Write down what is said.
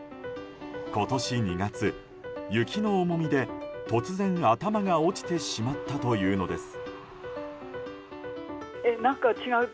今年２月、雪の重みで突然、頭が落ちてしまったというのです。